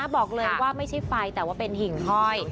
บอกเลยว่าไม่ใช่ไฟแต่ว่าเป็นหิ่งห้อย